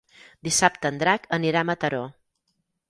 Dissabte en Drac anirà a Mataró.